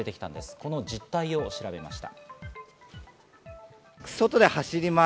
この実態を調べました。